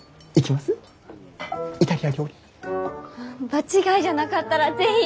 場違いじゃなかったら是非。